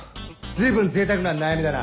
随分ぜいたくな悩みだな。